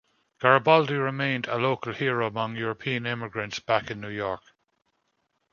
Garibaldi remained a local hero among European immigrants back in New York.